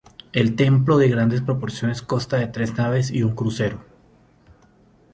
El templo, de grandes proporciones, consta de tres naves y crucero.